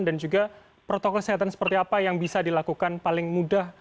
dan juga protokol kesehatan seperti apa yang bisa dilakukan paling mudah